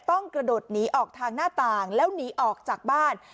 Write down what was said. กระโดดหนีออกทางหน้าต่างแล้วหนีออกจากบ้าน